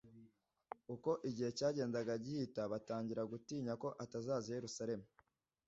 Uko igihe cyagendaga gihita batangira gutinya ko atazaza i Yerusalemu